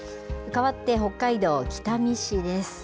かわって、北海道北見市です。